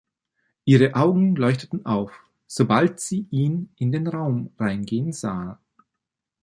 Ihre Augen leuchteten auf, sobald sie ihn in den Raum reingehen sah.